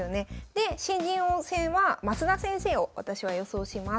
で新人王戦は増田先生を私は予想します。